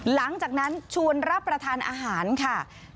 หลังจากนั้นชวนรับประทานอาหารค่ะ